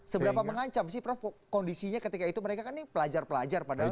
seberapa mengancam sih prof kondisinya ketika itu mereka kan ini pelajar pelajar padahal